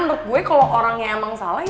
menurut gue kalau orangnya emang salah